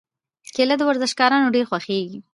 کېله د ورزشکارانو ډېره خوښېږي.